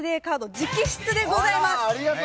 直筆でございます。